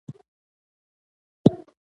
اعزرائيله همسفره چېرته لاړو؟!